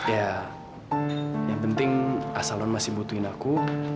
ya yang penting asalon masih butuhin aku